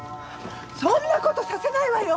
そんな事させないわよ！